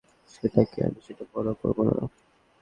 সেটা কে, আমি সেটা পরোয়া করব না।